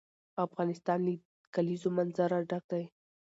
افغانستان له د کلیزو منظره ډک دی.